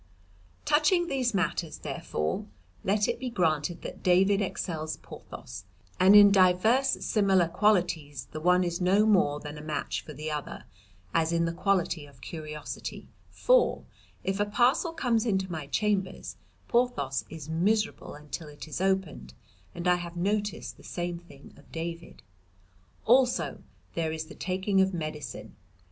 "Touching these matters, therefore, let it be granted that David excels Porthos; and in divers similar qualities the one is no more than a match for the other, as in the quality of curiosity; for, if a parcel comes into my chambers Porthos is miserable until it is opened, and I have noticed the same thing of David. "Also there is the taking of medicine.